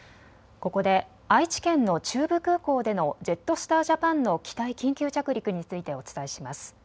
ここで愛知県の中部空港でのジェットスター・ジャパンの機体緊急着陸についてお伝えします。